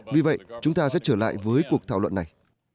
vì vậy chúng ta sẽ trở lại với cuộc thảo luận này